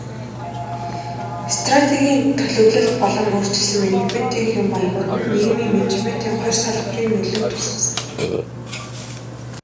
Стратегийн төлөвлөлт болон өөрчилсөн менежментийн хэв маягууд нь нийтийн менежментийн хоёр салбарын нөлөөг тусгасан.